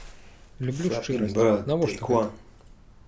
Люблю шчырасць, навошта гэта?